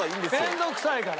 面倒くさいから。